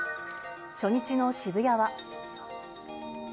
初日の渋谷は。